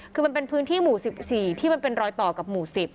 คือมันเป็นพื้นที่หมู่๑๔ที่มันเป็นรอยต่อกับหมู่๑๐